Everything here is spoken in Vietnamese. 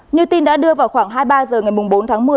như tin đã đưa vào khoảng hai mươi ba h ngày bốn tháng một mươi